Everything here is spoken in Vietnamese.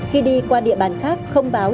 khi đi qua địa bàn khác không báo